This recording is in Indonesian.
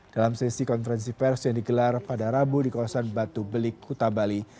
dalam sesi konferensi pers yang digelar pada rabu di kawasan batu belik kuta bali